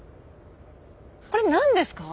これ何ですか？